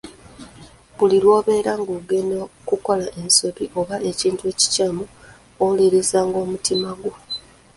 Buli lw’obeera ng'ogenda kukola ensobi oba ekintu ekikyamu owulirizanga omutima gwo.